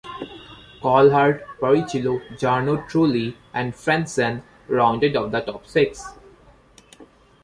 Coulthard, Barrichello, Jarno Trulli and Frentzen rounded off the top six.